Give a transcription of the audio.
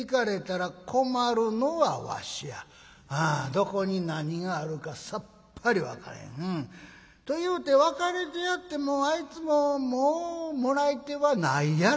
どこに何があるかさっぱり分からへん。というて別れてやってもあいつももうもらい手はないやろな。